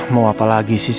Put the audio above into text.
mau apa lagi sih